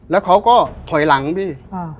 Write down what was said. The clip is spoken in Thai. แล้วเขาก็ถอยหลังพี่